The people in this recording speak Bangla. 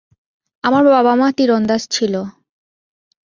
আমার বাবা-মা তীরন্দাজ ছিল।